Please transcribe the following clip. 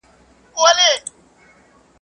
باغ چي لاښ سي، باغوان ئې خوار سي.